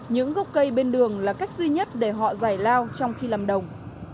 những gốc cây bên đường là cách duy nhất để họ giải lao trong khi làm đồng